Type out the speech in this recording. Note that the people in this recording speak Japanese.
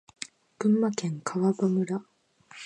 群馬県川場村